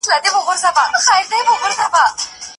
د ښوونکي غږ باید روښانه او ارام وي.